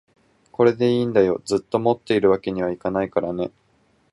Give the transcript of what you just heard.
これでいいんだよ、ずっと持っているわけにはいけないからね